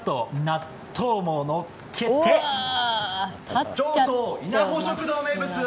納豆ものっけて常総いなほ食堂名物、